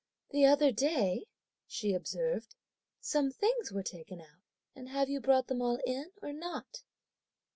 "The other day," she observed, "some things were taken out, and have you brought them all in or not?"